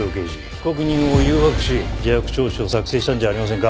被告人を誘惑し自白調書を作成したんじゃありませんか？